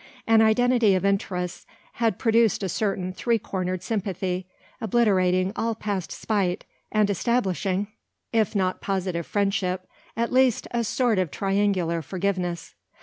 An identity of interests had produced a certain three cornered sympathy, obliterating all past spite, and establishing, if not positive friendship, at least a sort of triangular forgiveness.